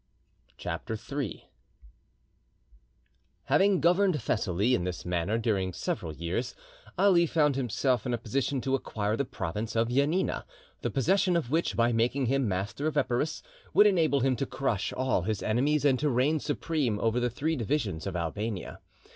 CHAPTER III Having governed Thessaly in this manner during several years, Ali found himself in a position to acquire the province of Janina, the possession of which, by making him master of Epirus, would enable him to crush all his enemies and to reign supreme over the three divisions of Albania.